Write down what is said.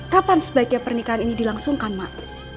kapan sebaiknya pernikahan ini dilangsungkan mak